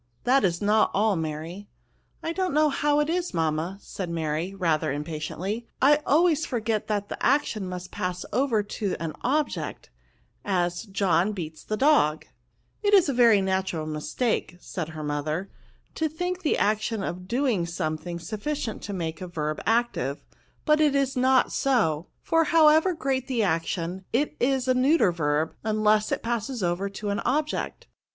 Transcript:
« That is not all, Mary." ^^ I don't know how it is, mamma," said Mary, rather impatiently, I always foiget that the action must pass over to an object ; as, John beats the dog/' '^ It is a very natural mistake, said her mother, ^* to think the action of doing some thing sufficient to make a verb active : but it is not so ; for however great the action, it is a neuter verb, imless it passes over to an object.